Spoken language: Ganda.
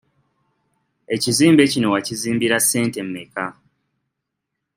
Ekizimbe kino wakizimbira ssente mmeka?